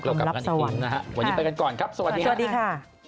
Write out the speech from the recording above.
กลับมากันอีกทีหนึ่งนะฮะวันนี้ไปกันก่อนครับสวัสดีครับสวัสดีค่ะ